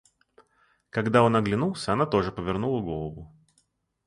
Когда он оглянулся, она тоже повернула голову.